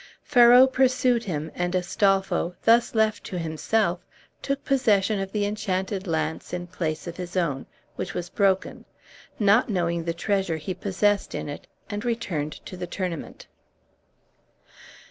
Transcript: Ferrau pursued him, and Astolpho, thus left to himself, took possession of the enchanted lance in place of his own, which was broken, not knowing the treasure he possessed in it, and returned to the tournament.